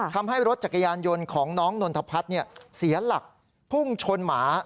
ทำให้รถจักรยานยนต์ของน้องนนทพัฒน์เสียหลักพุ่งชนหมา